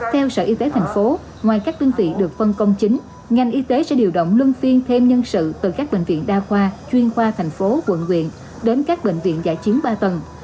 theo sở y tế thành phố ngoài các đơn vị được phân công chính ngành y tế sẽ điều động luân phiên thêm nhân sự từ các bệnh viện đa khoa chuyên khoa thành phố quận quyện đến các bệnh viện giải chiến ba tầng